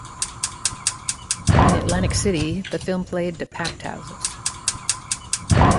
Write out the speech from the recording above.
In Atlantic City, the film played to packed houses.